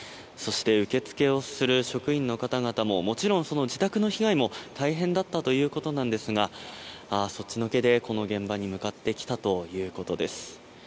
そして、受け付けをする職員の方々ももちろんその自宅の被害も大変だったということですがそっちのけでこの現場に向かってきたということです。